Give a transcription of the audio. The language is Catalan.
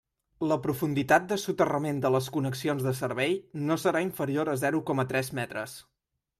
La profunditat de soterrament de les connexions de servei no serà inferior a zero coma tres metres.